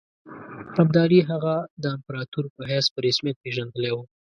ابدالي هغه د امپراطور په حیث په رسمیت پېژندلی وو.